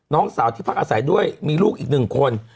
น้องสาวที่พักอาศัยด้วยมีลูกอีกหนึ่งคน